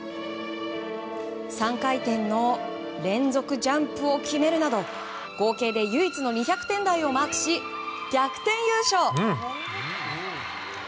３回転の連続ジャンプを決めるなど合計で唯一の２００点台をマークし逆転優勝！